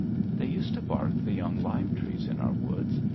They used to bark the young lime trees in our woods.